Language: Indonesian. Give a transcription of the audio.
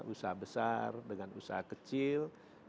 usaha besar dengan usaha kecil